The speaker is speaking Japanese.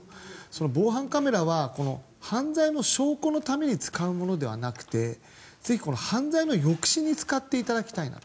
防犯カメラは犯罪の証拠のために使うものではなくてぜひ犯罪の抑止に使っていただきたいなと。